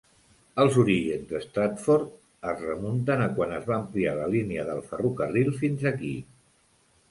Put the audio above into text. Els orígens de Stratford es remunten a quan es va ampliar la línia del ferrocarril fins aquí.